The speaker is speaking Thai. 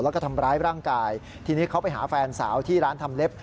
แล้วก็ทำร้ายร่างกายทีนี้เขาไปหาแฟนสาวที่ร้านทำเล็บ